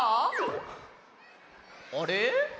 あれ？